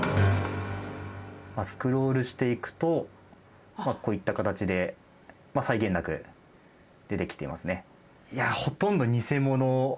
スクロールしていくとこういった形で際限なく出てきてますね。